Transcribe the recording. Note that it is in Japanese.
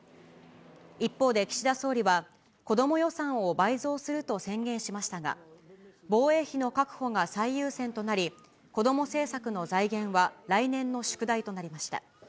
一方で岸田総理は、こども予算を倍増すると宣言しましたが、防衛費の確保が最優先となり、こども政策の財源は来年の宿題となりました。